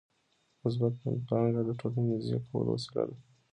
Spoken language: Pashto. مثبت منځپانګه د ټولنې نږدې کولو وسیله ده.